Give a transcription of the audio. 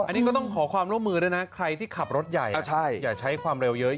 อันนี้ก็ต้องขอความร่วมมือด้วยนะใครที่ขับรถใหญ่อย่าใช้ความเร็วเยอะ